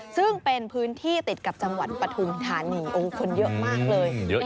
ซึ่งเป็นพื้นที่ติดกับจังหวัดปฐุมธานีโอ้คนเยอะมากเลย